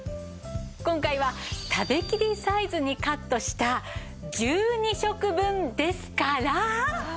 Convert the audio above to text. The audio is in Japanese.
今回は食べきりサイズにカットした１２食分ですから。